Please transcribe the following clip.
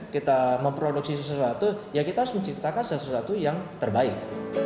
kita memproduksi sesuatu ya kita harus menciptakan sesuatu yang terbaik